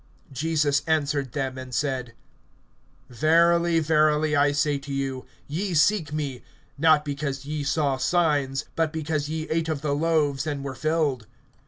(26)Jesus answered them and said: Verily, verily, I say to you, ye seek me, not because ye saw signs, but because ye ate of the loaves and were filled.